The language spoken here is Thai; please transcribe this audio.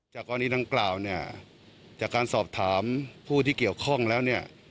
กรณีดังกล่าวเนี่ยจากการสอบถามผู้ที่เกี่ยวข้องแล้วเนี่ย